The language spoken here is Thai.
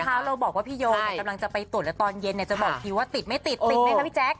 เราบอกว่าพี่โยกำลังจะไปตรวจแล้วตอนเย็นจะบอกทีว่าติดไม่ติดติดไหมคะพี่แจ๊ค